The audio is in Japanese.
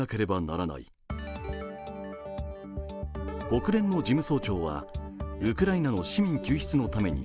国連の事務総長はウクライナの市民救出のために